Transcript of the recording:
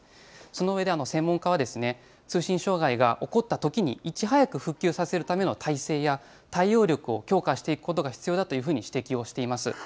その上で専門家は、通信障害が起こったときにいち早く復旧させるための体制や、対応力を強化していくことが必要だというふうに指摘をしています。